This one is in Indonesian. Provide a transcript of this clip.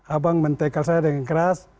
abang men takel saya dengan keras